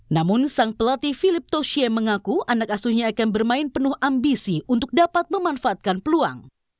namun sang pelatih philip toshie mengaku anak asuhnya akan bermain penuh ambisi untuk dapat memanfaatkan peluang